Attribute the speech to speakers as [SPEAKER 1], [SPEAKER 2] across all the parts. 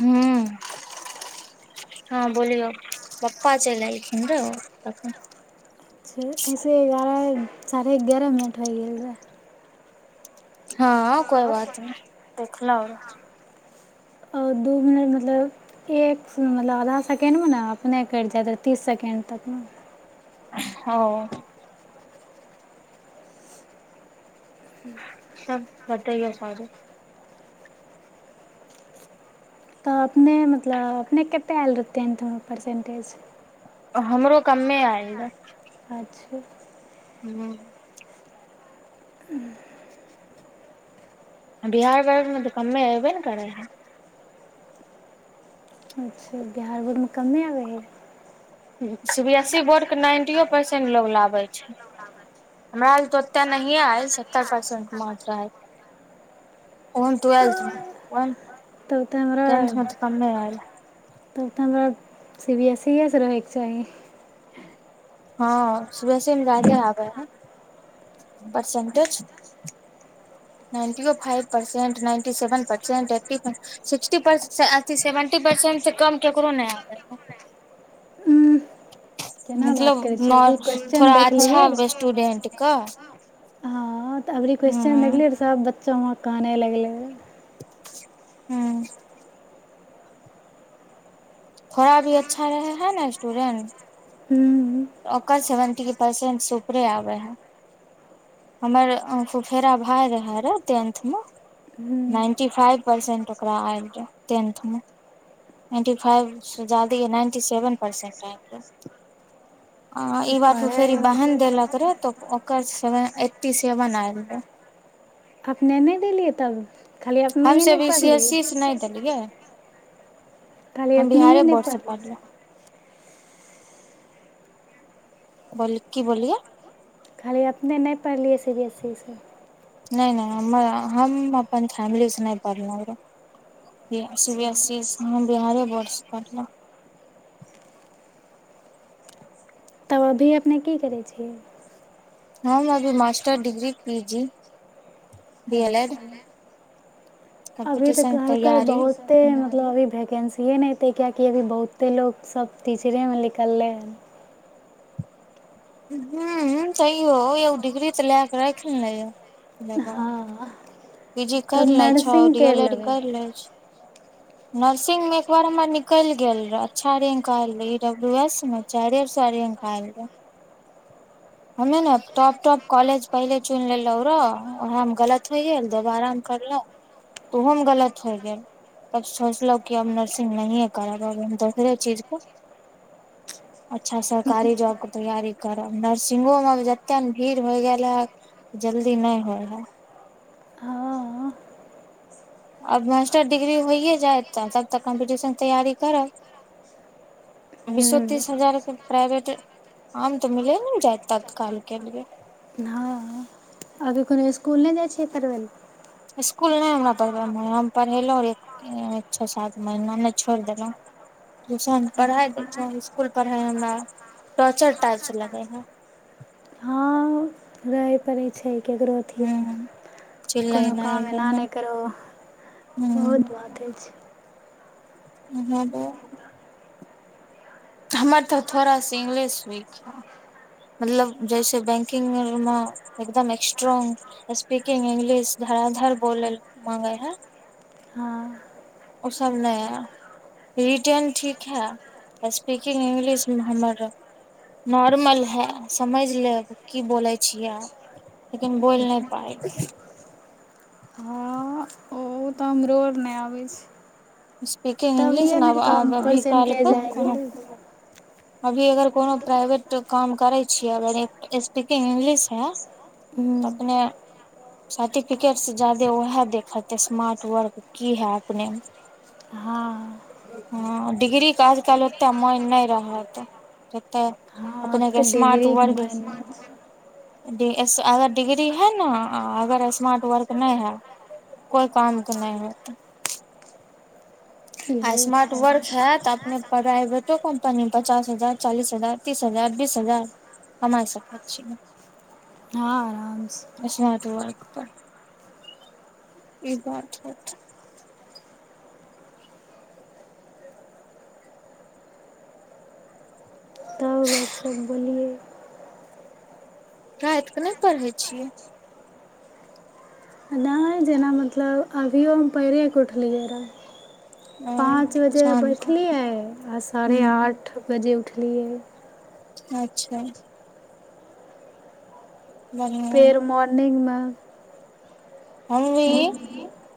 [SPEAKER 1] हू हँ बोलिय पप्पा च लइ
[SPEAKER 2] अचछा ऐसे जाारा [inaudible] साढ़े एगारह मिनट होइ गेल न
[SPEAKER 1] हँ कोइ बात नहि देखलहुँ
[SPEAKER 2] आओर दू मिनट मतलब एक मतलब आधा सेकेण्डमे ने अपने कटि जायत तीस सेकेण्ड तकमे
[SPEAKER 1] ह सबब बतैय सारे
[SPEAKER 2] तऽ अपने मतलब अपने कतेक आयल रहतै नेन परसेंटेज
[SPEAKER 1] हमरो कमे आइल रहा
[SPEAKER 2] अच्छा
[SPEAKER 1] हूँ
[SPEAKER 2] ह
[SPEAKER 1] आ बिहार घमे तऽ कमे अयबे ने करै ह
[SPEAKER 2] अच्छा बिहार भोरमे कममे आबै हइ
[SPEAKER 1] सी बी एस ई बोर्डके नाइन्टियओ परसेंट लोग लाबै छै हमरा ल तऽ ओते नहिए आय सत्तरि परसेन्ट मात्र हइ ओहन ट्वेल्थमे
[SPEAKER 2] तऽ
[SPEAKER 1] ओ
[SPEAKER 2] तब तऽ हमरा
[SPEAKER 1] आयल
[SPEAKER 2] त तऽ हमरा सी बी एस इए सँ रहैके चाही
[SPEAKER 1] हँ सुबह से जादे आबे है परसेंटेज नाटी फाइभसेंट नाटी सेवनसेटी सिक्टीे सेवेंटीसेंट क ककरो नहि आब है
[SPEAKER 2] केना बात
[SPEAKER 1] मतलब
[SPEAKER 2] करै छियै
[SPEAKER 1] न
[SPEAKER 2] अभी क्वेश्चन
[SPEAKER 1] थोड़ा
[SPEAKER 2] देख लियै
[SPEAKER 1] अच्छा स्टूडेंट क
[SPEAKER 2] हँ तऽ अभरी क्वेस्चन
[SPEAKER 1] ह
[SPEAKER 2] मिललैय तब बत चमक आनै लगलै
[SPEAKER 1] हुँ थोड़ा भी अच्छा रहे है ने स्टूडेंट
[SPEAKER 2] हुँ
[SPEAKER 1] ओकर सेवेन्टी परसेंटसँ उपरे आबै रहए हमर फुफेरा भाय रहय रहए टेन्थमे
[SPEAKER 2] हूँ
[SPEAKER 1] नाइन्टी फाइव परसेंट ओकरा आयि जाय टेन्थमे नाइन्टी फाइवसँ ज्यदे नाइन्टी सेवन परसेंट आयि जाय आ ई बार तऽ फेर बहन देलक रहे तऽ ओकर सेवन एट्टी सेवन आयल रहय
[SPEAKER 2] अपने नहि देलियै तब खाली अपने
[SPEAKER 1] हम
[SPEAKER 2] ह नहि
[SPEAKER 1] सब ई सी
[SPEAKER 2] पढ़ल
[SPEAKER 1] एस सी से नहि देलियै
[SPEAKER 2] खाली
[SPEAKER 1] हम
[SPEAKER 2] अपने ह
[SPEAKER 1] बिहारे
[SPEAKER 2] नहि
[SPEAKER 1] बोर्ड से
[SPEAKER 2] पढ़ल
[SPEAKER 1] पढ़लहुँ बोल की बोलिए
[SPEAKER 2] खाली अपने नहि पढ़लियै सी बी एस ई सँ
[SPEAKER 1] नहि नहि हमर हम अपन फैमिली से नहि पढ़लहुो न सी बी
[SPEAKER 2] अच्छा
[SPEAKER 1] एस सी सँ बिहारे बोर्ड सँ पढ़बैय
[SPEAKER 2] तब अभी अपने की करै छिय
[SPEAKER 1] हम अभी master degree P G D L Ed
[SPEAKER 2] अच्छा अभी तऽ
[SPEAKER 1] कम्पटिशन
[SPEAKER 2] कहलकै
[SPEAKER 1] तैयारी
[SPEAKER 2] बहुते मतलब अभी भैकेंसीए नहिे किएकि अभी बहुते लोको सब टीचरेमे निकललै हन
[SPEAKER 1] हुँ तैयो एगो डिग्री तऽ लए कऽ राखि नेै य
[SPEAKER 2] हँ
[SPEAKER 1] पी जी
[SPEAKER 2] तब
[SPEAKER 1] कर लै छ
[SPEAKER 2] नर्सिंग
[SPEAKER 1] डी एल
[SPEAKER 2] करि
[SPEAKER 1] एड
[SPEAKER 2] लेबै
[SPEAKER 1] कर ले छै नर्सिंग में एक बार हमर निकलि गेल रह अच्छा रेंक आयल रहे इ डब्लू एस मे चारे सए रेंक आयल रहे हमे ने टॉप टॉप कॉलेज पहिले चुनि लेलहुं र ओहा मे गलत होय गेल दोबारा मे करलहुँ ओहोमे गलत होय गेल सोचलहूँ आब नर्सिंग नहि करब दोसरे चीज करब अच्छा सरकारी जॉब कें तैयारी करब नर्सिंग मे तते भीड़ होय गेले हन जल्दी नहि होत
[SPEAKER 2] हँ
[SPEAKER 1] आब मास्टर डिग्री होइयए जायत तऽ तब तक कम्पटिशन तैयारी करब बीसो
[SPEAKER 2] हूँ
[SPEAKER 1] तीस हजार के प्राइवेट कम तऽ मिले ने जायत तत्कालके लिए
[SPEAKER 2] अगर कोनो सकूल नहि दै छियै करबल
[SPEAKER 1] इसकुल नहि हमरा पढ़बैमे हम पढ़ेलहुँ छओ सात महीना नहि छोड़ि देलहुँ ट्यूशन पढ़ा दै छहुँ इसकुल पढ़ाइमे हमरा टॉर्चर टाइच लगै हइ
[SPEAKER 2] करै छै ककरो अथीमे
[SPEAKER 1] ह
[SPEAKER 2] कोनो
[SPEAKER 1] चिल्लेनाइ
[SPEAKER 2] काम एना
[SPEAKER 1] उलेनाइ
[SPEAKER 2] नहि करहो बहुत बात हो अछि
[SPEAKER 1] ह ब [inaudible] हमर तऽ थोड़ा सा इंग्लिश वीक हइ मतलब जैसे बैंकिंगमे एकदम स्ट्रोंग स्पीकिंग इंग्लिश धराधर बोलयल माँगै हइ
[SPEAKER 2] हँ
[SPEAKER 1] ओसभ नहि हए रिटेन ठीक हए स्पीकिंग इंग्लिश हमर नॉर्मल हए समझि लेब की बोलै छियै लेकिन बोलि नहि पैत
[SPEAKER 2] हँ ओ हमरो नहि आबै छी
[SPEAKER 1] स्पीकिंग इंग्लिश ने आब आब अभी
[SPEAKER 2] परसेंटेज
[SPEAKER 1] कालहिके
[SPEAKER 2] आइ
[SPEAKER 1] कोनो
[SPEAKER 2] गेलै
[SPEAKER 1] अभी अगर कोनो प्राइवेट काम करै छियै अगर स्पीकिंग इंगलिश है
[SPEAKER 2] हूँ
[SPEAKER 1] तऽ अपने सर्टिफिकेट से जाादे उएह देखते स्मार्ट वर्क की है अपने
[SPEAKER 2] हँ
[SPEAKER 1] हँ डिग्रीके आजकल ओेक मन नहि रहत त त तऽ [inaudible]
[SPEAKER 2] अब त डि्रीके भेल्यू
[SPEAKER 1] डि अगर डिग्री हइ ने अगर स्मार्ट वर्क नहि हइ कोइ कामके नहि हत आ
[SPEAKER 2] इहो
[SPEAKER 1] स्मार्ट वर्क
[SPEAKER 2] छै
[SPEAKER 1] हैत त अपने प्राइवेटो कम्पनीमे पचास हजार चालीस हजार तीस हजार बीस हजार कमााय सकैत छियै
[SPEAKER 2] हँ आरामसँ
[SPEAKER 1] वर्क ई बात होतै
[SPEAKER 2] तब
[SPEAKER 1] ह
[SPEAKER 2] आओर सब बोलिै
[SPEAKER 1] रातिक कऽ नहि पढ़ै छियै
[SPEAKER 2] नहि जेना मतलब अभियो हम पैरेके उठलियै रहए
[SPEAKER 1] ओ
[SPEAKER 2] पाँच बजे
[SPEAKER 1] शाम के
[SPEAKER 2] बैठलियै आ साढ़े
[SPEAKER 1] ह
[SPEAKER 2] आठ बजे हुँ
[SPEAKER 1] अच्छा बढ़िया
[SPEAKER 2] फेर मॉर्निंग मे ह
[SPEAKER 1] हम भी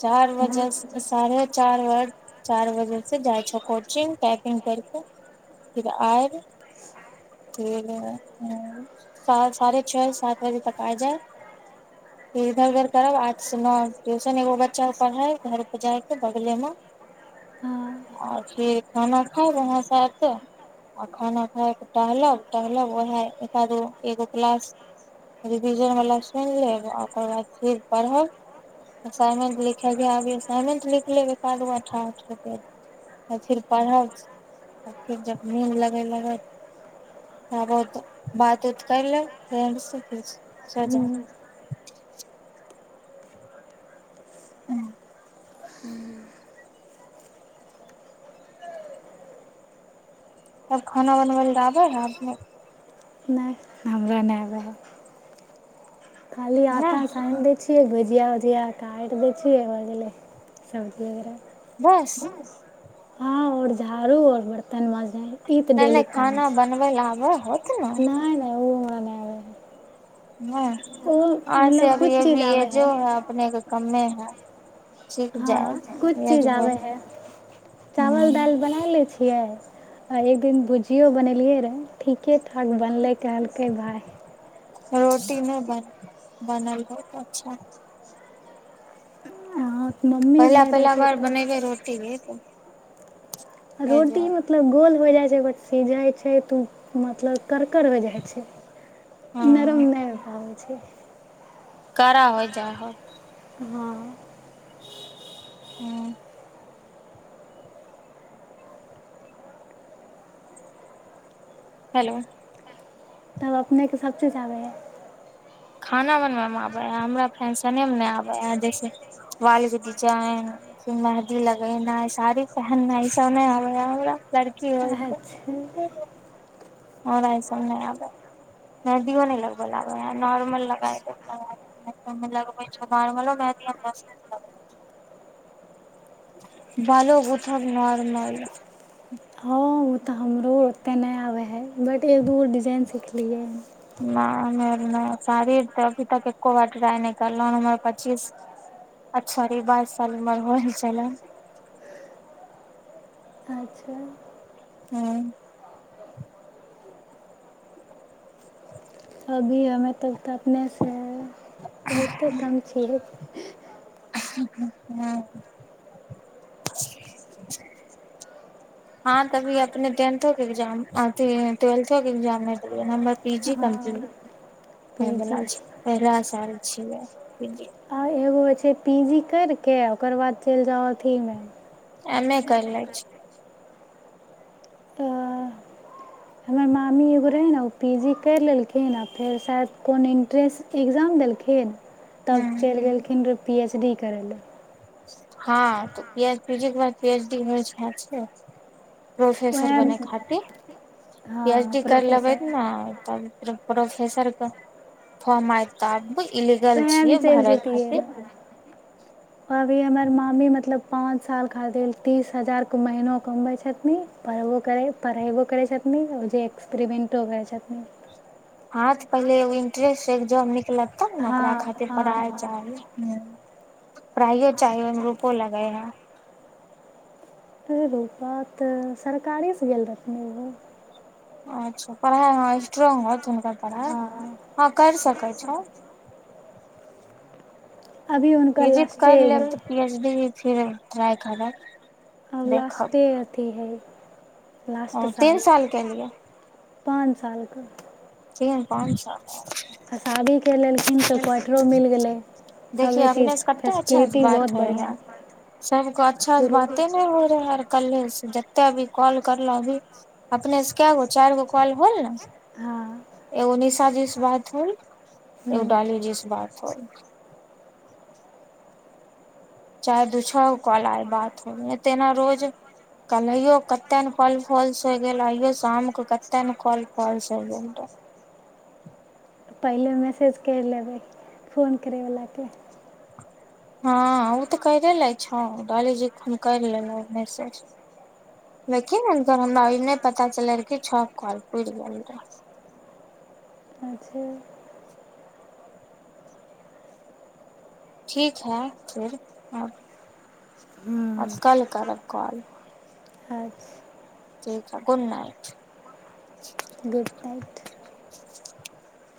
[SPEAKER 1] चार बजे साढ़े चार चार बजे से जाइ छ कोचिंग टापिंग करिक फिर आए फिर साढ़े छओ सात बजे तक आ जाय फिर इधर उधर करब न ट्यूशन एगो बच्चाे पढ़इ घर पर जाइके बगलेमे आ फिर खाना खायब वहाँ से आके आ खाना खायके टहलब टहलब ओएह एक आधो एगो क्लास रिविजन वला सुनि लेब आ ओकर बाद फिर पढ़ब असाइनमेंट लिखे अभी असाइनमेंट लिख लेब एकध गो अठठ रुप फिर पढ़ब फिर जब नीन लगे लग आबत बात उत कर लेब फेर सजा ह [inaudible] तब खाना बनबै लएबै ह
[SPEAKER 2] नहि हमरा नहि आबै खाली
[SPEAKER 1] नै
[SPEAKER 2] आटा सान ले छिय भुजििया उजिया काटि दै छियै भऽ गेलै सब्जी वगैरह
[SPEAKER 1] बस
[SPEAKER 2] और झाड़ू और बर्तन मांज
[SPEAKER 1] नहि नहि खाना बनबै लए आबै होत ने
[SPEAKER 2] छै नहि नहि ओ हमरा नहि आबै हइ
[SPEAKER 1] हँ
[SPEAKER 2] ओ
[SPEAKER 1] आ से
[SPEAKER 2] मतलब
[SPEAKER 1] अभी
[SPEAKER 2] कुछ चीज
[SPEAKER 1] अभी
[SPEAKER 2] आबै हइ
[SPEAKER 1] यजो है अपने के कममे हँ
[SPEAKER 2] हँ किछु चीज आबै हइ चावल दालि
[SPEAKER 1] ह
[SPEAKER 2] बना लै छियै आ एक दिन भुजियो बनेलियै रहऽ ठीके आग बनलै कहलकै भााय
[SPEAKER 1] रोटी नहि बन बनल बहुत अच्छा
[SPEAKER 2] हँ मम्मी आर
[SPEAKER 1] पहिला
[SPEAKER 2] नहि रहै
[SPEAKER 1] पहिला
[SPEAKER 2] छै
[SPEAKER 1] बार
[SPEAKER 2] तऽ
[SPEAKER 1] बनाबे रोटी रेत
[SPEAKER 2] रोटी मतलब गोल हो जाइ छै ब सिझै छै तऽ ओ मतलब करक हो जाइ छै नरम
[SPEAKER 1] हँ
[SPEAKER 2] नहि हो पाबै छै पी
[SPEAKER 1] करा होइ जाय हो
[SPEAKER 2] हँ
[SPEAKER 1] हुँ हेलो
[SPEAKER 2] तब अपनेकेँ सभचीज आबै हइ
[SPEAKER 1] खाना बनवे मे आबे ह हमरा फैंशने मे नहि आबे ह जैसे वाल के डिजाइन फर मेहदी लगेना साड़ी पहननाइ इ सब नहि आबे ह हम लड़की
[SPEAKER 2] अच्छा
[SPEAKER 1] सब आे मेहदियो नहि लग ले घर मे लगाय देबो - [inaudible] बालो कोथब नर्मल [inaudible]
[SPEAKER 2] हँ ओ तऽ हमरो ओते नहि आबै है बट एक दूगो डिजाइन सिखलियै
[SPEAKER 1] नहि उ शड़ीर त अभी तक एको बार ट्राइ नहि करल उमर पच्चीस अछ बाइस साल उमर हो छल
[SPEAKER 2] अच्छा
[SPEAKER 1] हुँ
[SPEAKER 2] अभी हमे तऽ तऽ अपनेसँ बहुते दाम छियै
[SPEAKER 1] हाँ हँ तभी अपने टेंथोक के एग्जाम अथिी ट्वेल्थो के एग्जाममे देलियै नं्बर पी जी
[SPEAKER 2] हँ
[SPEAKER 1] कम्प्लीट
[SPEAKER 2] पी
[SPEAKER 1] हँ बोला पहिला स छैै
[SPEAKER 2] हँ एगो छै से पी जी करिके ओकर बाद चलि जाउ अथीमे
[SPEAKER 1] एमे क ले छी
[SPEAKER 2] अ, हमर मामी एगो रहै ओ पी जी करि लेलखिन आ फेर शायद कोन इन्ट्रेंस एक्जाम देलखिन तब चलि गेलखिन र पी एच की करैय लय
[SPEAKER 1] हँ त प्यज पीज एक बर प्याजी छै फसर बनाै
[SPEAKER 2] उएह
[SPEAKER 1] खाति पी एच
[SPEAKER 2] हँ
[SPEAKER 1] डी कर लेबै
[SPEAKER 2] प्रोफेसर
[SPEAKER 1] त ने तब प्रोफेसर फाम आयत अब इलीगल
[SPEAKER 2] एम
[SPEAKER 1] छियै
[SPEAKER 2] चल
[SPEAKER 1] भरे
[SPEAKER 2] जेती
[SPEAKER 1] खातिर
[SPEAKER 2] है अभी हमर मामी मतलब पाँच साल खातिर तीस हजारके महनो कमबै छथिन पढ़बो कर पढ़ेबो करै छथिन आ जे एक्सपे्रमेन्टो करै छथिन
[SPEAKER 1] हँ त पहिले ए इंटरस्ट छै जॉब निकलत तब ने
[SPEAKER 2] हँ
[SPEAKER 1] ओकरा खातिर
[SPEAKER 2] हँ
[SPEAKER 1] पढ़ाइ
[SPEAKER 2] हँ
[SPEAKER 1] चाही ह प्रहियो चाहोमे रूपो लगे हा
[SPEAKER 2] अ रुप तऽ सरकारेसँ गेल रहथिन ओहो
[SPEAKER 1] अच्छा पढ़ाइ ह स्ट्रोंग होत हुनकर पढ़ाइ
[SPEAKER 2] हँ
[SPEAKER 1] हँ करि सकै छौ
[SPEAKER 2] अभी हुनकर
[SPEAKER 1] पीजी
[SPEAKER 2] लास्टे
[SPEAKER 1] कर लेब तऽ
[SPEAKER 2] आब
[SPEAKER 1] पीएच डी फिर ट्राइ करब
[SPEAKER 2] आ लास्टे अथी हइ
[SPEAKER 1] हाँ तीन साल के लिए
[SPEAKER 2] पाँच सालके
[SPEAKER 1] कोन छ
[SPEAKER 2] आ शादी के लेल
[SPEAKER 1] देखियए
[SPEAKER 2] सभे चीज
[SPEAKER 1] अपने से कते अच्छा से
[SPEAKER 2] फैसिलिटी बहुत
[SPEAKER 1] बात होइ है
[SPEAKER 2] बढ़िआँ
[SPEAKER 1] सबको अच्छास से
[SPEAKER 2] शुरू
[SPEAKER 1] बाते नहि होइ रहे आर कल्हे से जते अभी कॉल करलहु अभी अपने से कए गो चारि गो कॉल होल ने
[SPEAKER 2] हँ
[SPEAKER 1] ऐं उनहिं सँ सााजिश बात होइ
[SPEAKER 2] हूँ
[SPEAKER 1] एग डालीज इस बार ह चारे दू छओ गो कल आइ बात हो तेना रोज कलैयो कते ने कल फॉल्स होय गेल आइयो शामके कते ने कल फॉल्स हो गेल रह
[SPEAKER 2] पहिले मैसेज करि लेबै फोन करयवलाके
[SPEAKER 1] हँ ओ तऽ करे ले छौ डालीजी खन करि लेलहु मैसेज लेकिन हुनकर हमरा ई नहि पता चलल रह छ कल पुर गेल रह
[SPEAKER 2] अच्छा
[SPEAKER 1] ठीक है फिर अ अब कल करब कॉल
[SPEAKER 2] अच्छा
[SPEAKER 1] ठीक ह गुड नाइट
[SPEAKER 2] गुड नइट
[SPEAKER 1] [unintelligible]